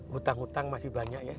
hutang hutang masih banyak ya